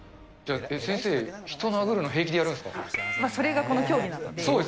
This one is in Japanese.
先生、それがこの競技なので。